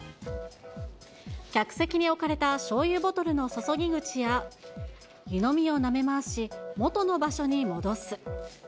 客席に置かれたしょうゆボトルの注ぎ口や、湯飲みをなめ回し、元の場所に戻す。